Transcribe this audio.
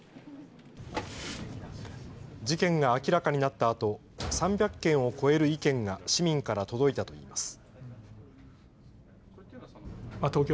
事件が明らかになったあと、３００件を超える意見が市民から届いたといいます。